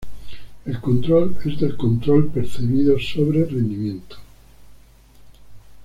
El control es del control percibido sobre rendimiento.